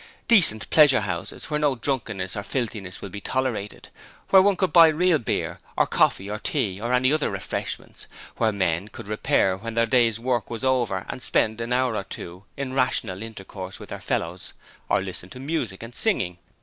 Decent pleasure houses, where no drunkenness or filthiness would be tolerated where one could buy real beer or coffee or tea or any other refreshments; where men could repair when their day's work was over and spend an hour or two in rational intercourse with their fellows or listen to music and singing.